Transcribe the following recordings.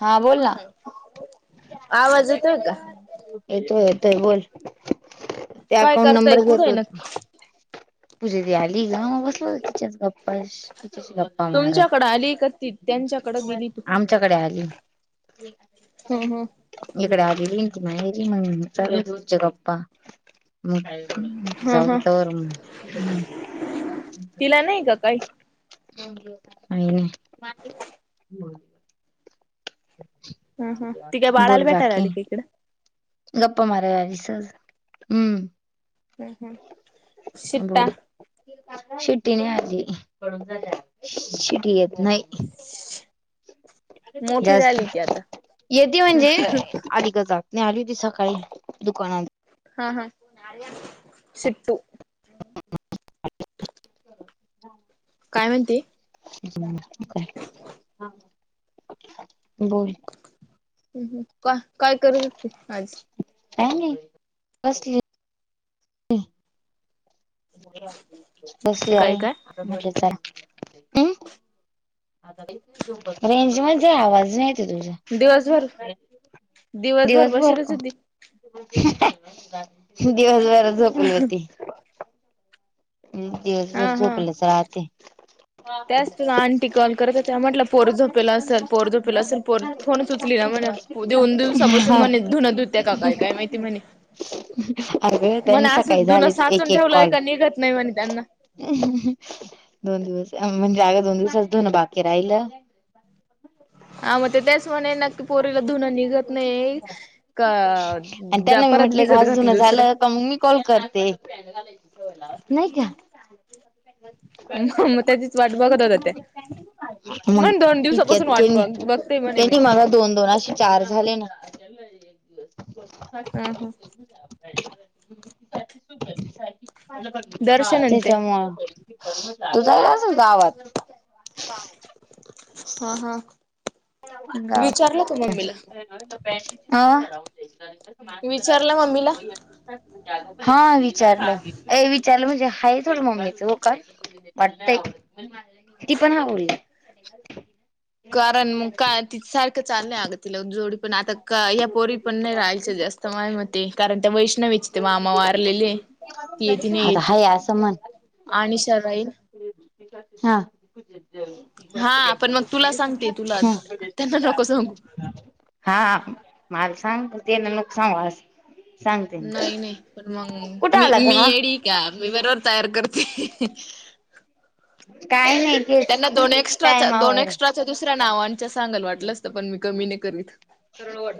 हा बोल ना आवाज येतोय का येतोय येतोय बोल. ते काय अकाउंट करताय नंबर घेत कुठे नक्की होते. पूजी पण आली गाव बसल तिच्यात गप्पा तिच्याशी गप्पा मारत. तुमच्याकडे आली का ती त्यांच्याकडे गेली. आमच्याकडे आली. हम्म हम्म इकड आलेली [unintelligible] चालू आहे आमच्या गप्पा हम्म जाऊदे हम्म तवर मग तिला नाही का काय? नाही नाही. हम हम्म ती काय बाळाला बोल भेटायला बाकी आली का इकड? गप्पा मारायला आली सहज हम्म. हम् हम्म शिफ्ट बोल शिट्टी नाही आली शिटी येत नाही. [inaudible] मोठी जास्त झाली ती आता येते म्हणजे आली का सांग. नाही आली होती सकाळी दुकानात. हा हा सुटू काय म्हणती? [unintelligible] बोल. हं हं का काय करीत होतीस आज? काय नाही बसलीय. बसले काय काय आहे [unintelligible] हम् रेंज मध्ये ये आवाज नाय येत. दिवसभर [unintelligible] दिवसभर बसेलच का? होती दिवसभर झोपली व्हती. मी दिवसभर हा हा झोपलेच राहते. त्याच तुला आंटी कॉल करत होत्या. म्हटलं पोर झोपलेला असेल, पोर झोपेला असेल पोर फोनच उचली ना म्हणा. दोन दिवसापासून मणे धुन धुत्या काय काय माहिती म्हणे? अगं म्हण त्यांनी सकाळी असंच धुनं झाले साचून एक एक ठेवलंय कॉल का निघत नाही म्हणे त्यांना. दोन दिवस म्हणजे अगं दोन दिवसाच धुन बाकी राहिलं. आव ते ते म्हणे नक्की पोरीला धुन निघत नाही आणि का त्यांना मी परत म्हटलं की भिजत माझं घातलं धुन दुसरं. झालं मग मी कॉल करते. नाही का? मग त्याचीच वाट बघत होत्या त्या मग म्हण दोन दिवसापासून इतक्यात वाट के नाही. बघ बघते म्हणे मी त्यांनी मला दोन दोन असे चार झाले ना. हम्म हम्म. दर्शन आणि ते तिच्यामुळ तुझा [unintelligible] आवाज. हा हा विचारलं तुम्ही मम्मी ला? अं? विचारलं मम्मीला हा विचारलं ऐ विचारलं म्हणजे हाय थोड मम्मीचं हो का? वाटतय. ती पण हा बोलली. कारण मग काय ति सारखं चाललंय अगं तिला जोडी पण आता ह्या पोरी पण नाही राहायच्या जास्त. माय मते कारण त्या वैष्णवी ते मामा मारलेले ती येत नाही आता येते हाय अनिशा राईल. हां. हा पण मग तुला सांगते तुला, त्यांना नको सांगू. हा मला सांगत तिला नको सांगु अस सांग. मी नाही नाही पण मग कुठे मी आला मी ग हा येडी का मी बरोबर तयार करते. काय नाही तेच त्यांना दोन एक्स्ट्राच दोन टायमावर एक्स्ट्राच्या दुसऱ्या नावांच्या सांगाल वाटलंस तर पण मी कमी नाही करीत. सरळ ओड.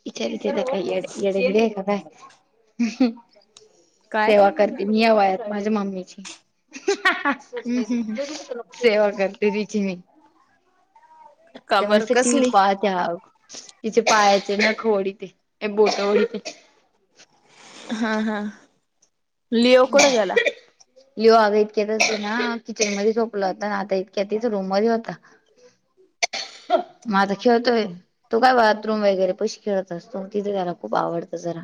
[unintelligible] काय सेवा हम्म करते मी या वयात माझ्या मम्मीची. हम्म हम्म हम. सेवा करते तिची मी का ते बर मस्त टि. व्ही. कसली पाहते आ तिचे पायाचे नख ओडिते ते बोट वडीते. हा हा लिओ कुड गेला? लिओ अग इतक्या तर ना किचन मध्ये झोपलं होता आता इतक्या तच रूम मध्ये होता. म आता खेळतोय. तो काय बाथरूम वगैरे पशी खेळत असतो तिथे त्याला खूप आवडतं जरा.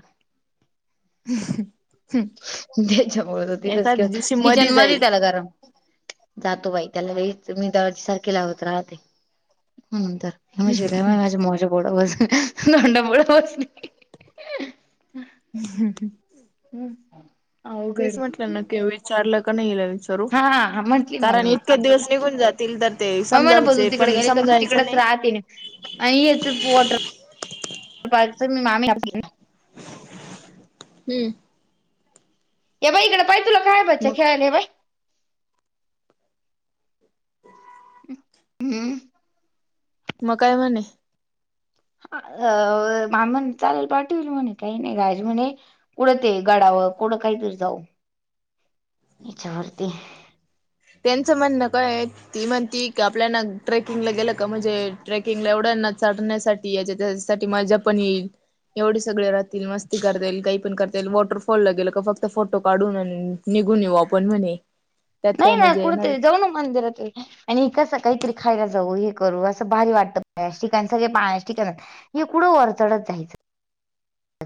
त्याच्यामुळे तो तिथंच एखाद्या खेळतो. दिवशी मधी किचन मध जाईल त्याला गरम जातो बाई त्याला लाइच मी दरवाजे सारखे लावत राहते. [unintelligible] तोंडा पुढ बसली. [unintelligible] हम्म. तेच म्हटलं ना क विचारलं का नाही विचार करू हा म्हंटली कारण मम्मी इतके दिवस निघून जातील तर ते मम्मी म्हणलं समजाचे तू तिकडे पण गेली का तू समजायचं तिकडेच नाही‌. राहते आणि याच वॉटर पार्क मी मामी [unintelligible] हम्म. हे पाय ईकड पाय तुला काय बच्चा मग खेळायला हे पाय हो [unintelligible] हम्म. मग काय म्हणे? अ.. मामा चालेल पाठवल म्हणे, काही नाही राज म्हणे.. कुठं ते गडावर कुठ, काहीतरी जाऊ विचारते. तेचं म्हणणं काय येत. ती म्हणती का, आपल्याला ट्रेकिंगला गेलं का, म्हणजे ट्रेकिंगला एवढं ना चढण्यासाठी. या येज्या तेज्यासाठी मजा पण येईल. एवढे सगळे राहतील मस्ती करता येईल काही पण करता येईल. वॉटरफॉल ला गेलं का फक्त फोटो काढून आण. निघून येऊ आपण म्हणे. त्यात नाही काय ना, मजा येणार कुटतरी आहे जाऊन मंदिरात वगैरे, आणि कसं काहीतरी खायला जाऊ हे, करू असं भारी वाटतं ठिकाण सगळे पाण्या ठिकाण. हे कुठ वर चढत जायचं.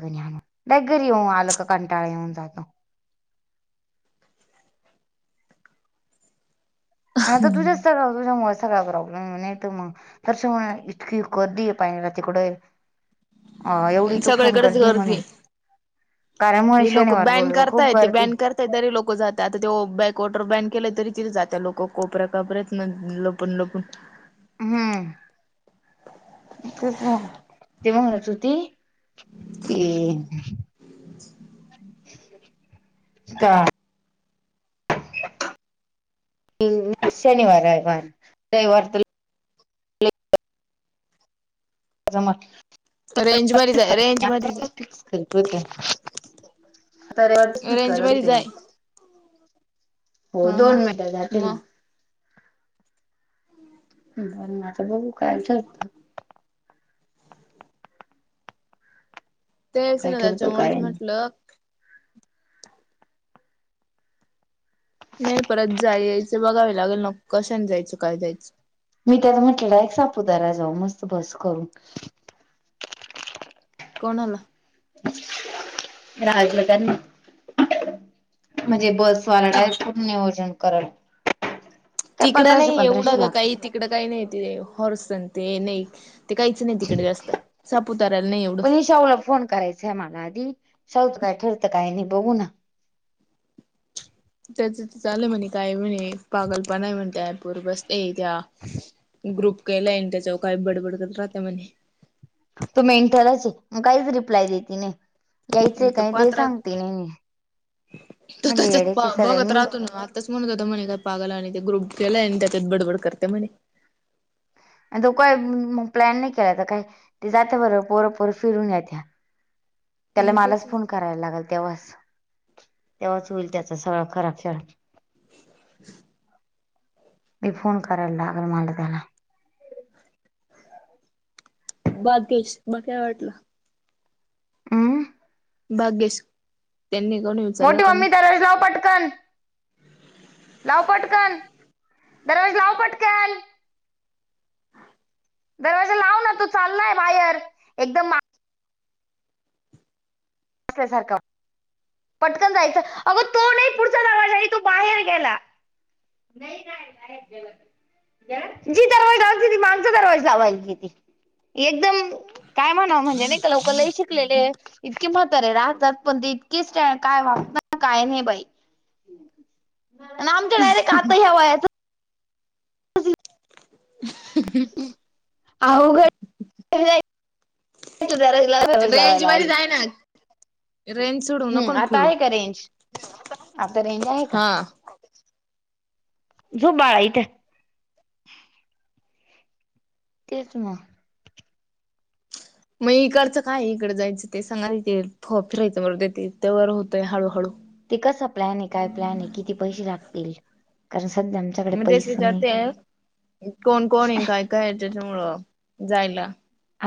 डायरेक्ट घरी येऊन आलं, का कंटाळा येऊन जातो. आता तुझाच सगळ [unintelligible] सगळा प्रॉब्लेम नाही मग, [unintelligible] इतकी गर्दी आहे पाहियाला तिकडं. अं.. एवढी तुफान सगळीकडेच गर्दी म्हणे. आहे कारणमुळे हे लोक शनिवार, बॅन रविवार खूप करताय ते गर्दी. बॅन करताय तरी लोक जातात. आता ते बॅक वॉटर बॅन केलं, तरी तिथं जात लोक कोपऱ्या कापऱ्यातन लपून-लपून. हम्म.. तेच न ती म्हणत होती. की. हां.. शनिवार आहे. वार रविवार तरी, [unintelligible] ् आता रेंज मध्ये जाय रेंज मध्ये रविवारचं जाय फीक्स रेंज कराल मध्ये ते. जाय हो हा हा दोन मिनटं जाते मग ना. बरं, आता ना बघू काय ठरत. तेचं काय ना ठरतं काय त्यांच्यामुळेच नाही म्हटलं. नाही परत जाया यायचं. ते बघावे लागेल ना, कशाने जायचं काय जायचं. मी त्याला म्हंटलं, एक सापुतारा जाऊ मस्त बस करून. कोणाला? [unintelligible] म्हणजे बस. ती सांगायच कुटण नियोजन करायला. तिकडं नाही एवढं का, काही तिकडं काही नाही ते, हॉर्स ते नाही. ते काहीच नाही तिकडे जास्त, सापुताऱ्याला नाही एवढं. सावुला फोन करायच. समाला आधी, सौचं काय ठरतं काय नाही बघू ना. त्याचं ते चालूय म्हणे, काय म्हणे पागल पणा आहे, म्हणते ऍपवर बसते. ये त्या ग्रुप केलंयन त्यांच्या, काही बडबड करत राहते म्हणे. तू मेंटलच ये काहीच रिप्लाय देती नाही. यायचं तो काय ते पात्रात सांगते नी मी, म्हणले येड्याचे सगळे मीचं. तेच म्हणत होतं म्हणे का पागलान आणि ते ग्रुप केलंय. आणि त्यात बडबड करता म्हणे. आणि तो काय मग प्लॅन नाही केलाय काय? ते जाते बरोबर पोरं पोरं फिरून येत्या. [inaudible] त्याला तेच मलाच फोन करायला लागेल तेव्हाच, तेव्हाच होईल त्याच सगळ खराब खेळ. [inaudible] मी फोन करायल लागलं मला त्याला. बाकेश मग काय वाटलं. अमं.. भाग्येश त्यांनी कोणी ऊचला मोठी का मम्मी नाही. दरवाजा लाव पटकन लाव पटकन, दरवाजा लाव पटकन. दरवाजा लाव ना तो चाललाय बाहेर एकदमा... असल्यासारख... पटकन जायचं अगं तो नाही पुढचा दरवाजा ही तो बाहेर गेला. नाही काय बाहेर गेला तो. गेला जी दरवाजा लावायची ती मागचा दरवाजा लावाय कि ती. एकदम काय म्हणाव म्हणजे नाही का लवकर लही शिकलेले इतकी मह... सरे राहतात पण ते इतकीच स्टन काय वाप काय नाही बाई. आमच्या डायरेक्ट आता ह्या वयाच. हमह.. अहो घडला दरवाजा लावायला आली. रेंनस सोडू नको हम्म आता फिरू आहे का रेंज आता रेंज आहे का हा. झोप बाळा इथे. तेच म. मग इकडचं काय इकडं जायचं ते सांगा इथे फ फिरायचं मर ते ते व होतंय हळूहळू्. ते कसा प्लॅन आहे काय प्लॅन आहे किती पैसे लागतील कारण सध्या... आमच्याकडे मग तेच पैसे नाही विचारते कोण कोण आहे काय काय त्याच्यामुळं जायला.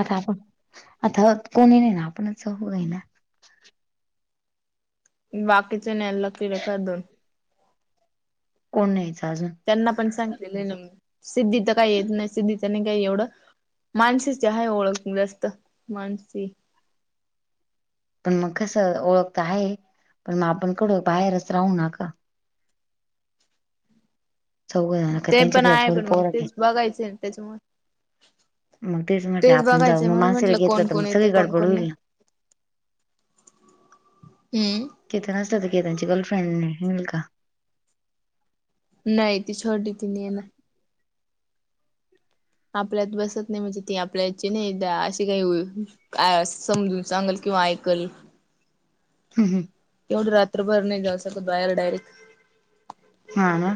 आता आपण आता कोणी नाही ना आपणच चोघ हे ना. बाकीच नाही लकीकडे का दोन. कोण नाही्यायचा अजून. त्यांना पण सांगितलेल हे ना मी सिद्धी तर काही येत नाही सिद्धीच नी काही एवढं मानसीची आहे ओळख जास्त मानसी. पण मग कसं ओळखत आहे पण मग आपण कडं बाहेरच राहू नका. चौघ जन. ते पण आहे पण मग तेच बघायचें त्याच्यामुळे... मग म्हटलं तेच आपण जाऊ बघायचं मग म्हणून माणसेला म्हंटलं घेतलं कोण तर मग कोण येतं सगळी कोण गडबड कोण होईल नाही. ना. हम्. केतन असलं तर केतनची गर्लफ्रेंड मुलगा.. नाही ती छोटी ती नाही ये ना. आपल्यात बसत नाही म्हणजे ती आपल्याची नाहीदा अशी काही हो... काय समजून सांगल किंवा ऐकल. हम् हम. केवढे रात्रभर नाही जाऊ सकत बाहेर डायरेक्ट. हा ना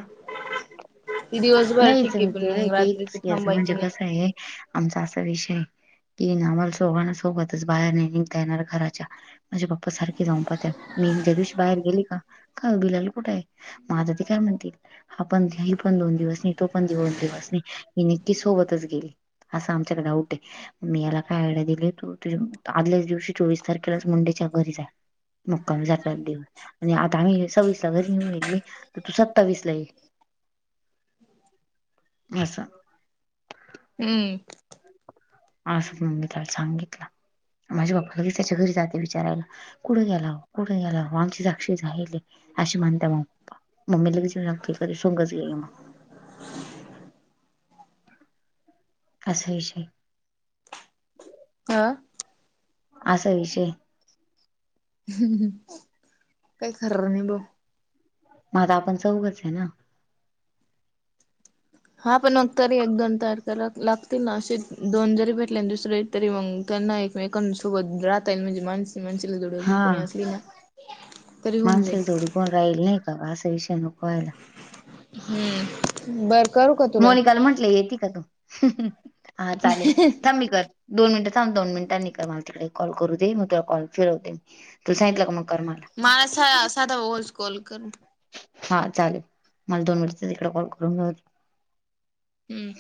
ती दिवसभर ठीक नाहीच आहे मी पण केलंय मग फी रात्रीच याचं म्हणजे थांबायचं नाही. कसं आहे. आमचा असा विषय कि आम्हाला चोघाला सोबतच बाहेर नाही निघता येणार घराच्या. माझ्या बाप्पा सारखे जाऊ पाहत्या मी ज्या दिवशी बाहेर गेली का बिलाल कुठ आहे माझध काय म्हणतील हा पण्याी पण दोन दिवस नाही तो पण दिन दिवस नाही ही नक्की सोबतच गेली असं आमच्याकड आऊट हे. मी याला काय आयडिया दिली तू तुझ्या आदल्याच दिवशी चोवीस तारखेलाच मुंडेच्या घरी जा. मुक्काम जातात दिवस आणि आता आम्ही सवीसला घरी येेऊन मी. तू सत्तावीस ला ते असं हम्म. असं म्हगितला सांगितलं माझ्या बाप्पाला की त्याच्या घरी जाते विचारायला कुठं गेला कुठे गेला आमची साक्षी झायल अशी म्हणत म पप्पा मममी लगच कध सुंगच गई असंच हा असा विषय काय खर नाही भाऊ म आता आपण चौघच ये ना? हा. पण नन्तर एक दोन तयार कराव तर लागतील ना? असे दोन जरी भेटले ना दुसरे - तरी मग त्यांना एकमेकांसोबत राहता येईल. म्हणजे माणस माणसाला जोडी अजून कोणी असली ना- तरी होऊन जाईल. माणसाला जोडी पण राहील नाही का? बा असा विषय नको व्हायला. हम्म. बघ. मोनिकाला म्हंटले येती का तू? हा चालेल. थांब मी कर - दोन मिनिटं थांब. दोन मिनिटांनी कर मला. तिकडे कॉल करू दे म तुला कॉल फिरवते. तू सांगितलं का मग कर मला. माह साया साधा व्हॉइस कॉल कर ना. हा चालेल. मला दोन मिनट तिककडे कॉल करून घेऊ दे. हम्म.